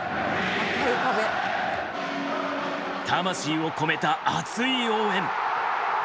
魂を込めた熱い応援！